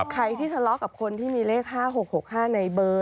ใครที่ทะเลาะกับคนที่มีเลข๕๖๖๕ในเบอร์